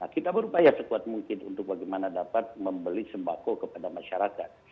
kita berupaya sekuat mungkin untuk bagaimana dapat membeli sembako kepada masyarakat